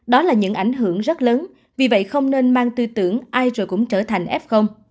đó là những ảnh hưởng rất lớn vì vậy không nên mang tư tưởng ai rồi cũng trở thành f